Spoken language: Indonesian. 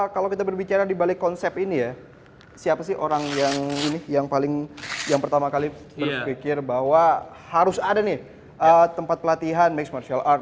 kalau kita berbicara di balik konsep ini ya siapa sih orang yang paling yang pertama kali berpikir bahwa harus ada nih tempat pelatihan max martial art